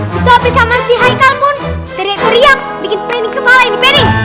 si sobri sama si haikal pun teriak teriak bikin pening kepala ini pening